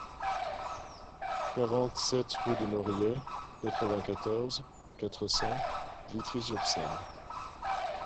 quarante-sept rue des Noriets, quatre-vingt-quatorze, quatre cents, Vitry-sur-Seine